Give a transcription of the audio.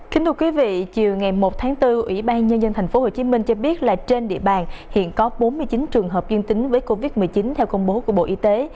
kính thưa quý vị chiều ngày một tháng bốn ủy ban nhân dân tp hcm cho biết là trên địa bàn hiện có bốn mươi chín trường hợp dương tính với covid một mươi chín theo công bố của bộ y tế